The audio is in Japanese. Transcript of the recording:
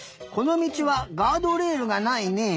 このみちはガードレールがないね。